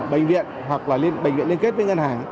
bệnh viện hoặc là bệnh viện liên kết với ngân hàng